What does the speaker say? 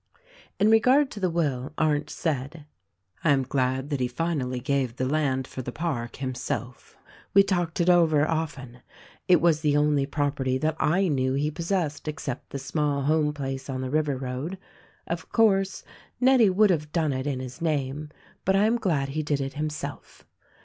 In regard to the will Arndt said, "I am glad that he finally gave the land for the park himself. We talked it over, often. It was the only property that I knew he pos sessed except the small home place on the river road. Of course, Nettie would have done it in his name ; but I am glad he did it himself.